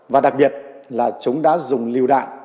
và đặc biệt là chúng đã dùng liều đạn